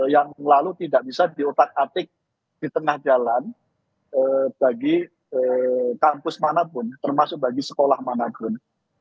yang lalu tidak bisa diotak atik di tengah jalan bagi kampus manapun termasuk bagi sekolah manapun